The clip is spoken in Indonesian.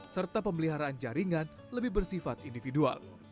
serta pemeliharaan jaringan lebih bersifat individual